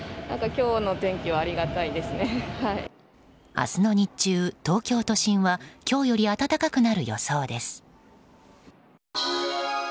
明日の日中、東京都心は今日より暖かくなる予想です。